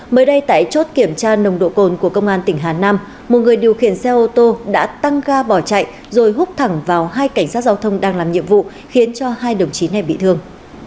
mới đây tại chốt kiểm tra nồng độ cồn của công an tỉnh hà nam một người điều khiển xe ô tô đã tăng ga bỏ chạy rồi hút thẳng vào hai cảnh sát giao thông đang làm nhiệm vụ khiến cho hai đồng chí này bị thương